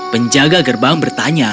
penjaga gerbang bertanya